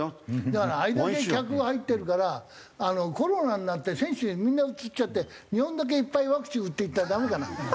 だからあれだけ客が入ってるからコロナになって選手みんなうつっちゃって日本だけいっぱいワクチン打っていったらダメかな？